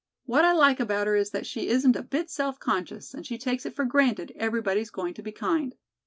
What I like about her is that she isn't a bit self conscious and she takes it for granted everybody's going to be kind."